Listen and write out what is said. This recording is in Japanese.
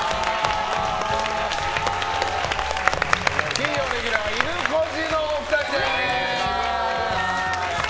金曜レギュラーはいぬこじのお二人です！